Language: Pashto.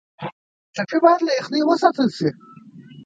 ټپي ته باید له یخنۍ وساتل شي.